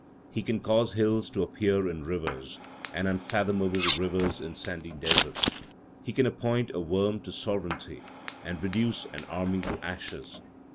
He can cause hills to appear in rivers, and unfathomable rivers in sandy deserts. He can appoint a worm to sovereignty, and reduce an army to ashes.